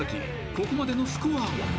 ここまでのスコアは？］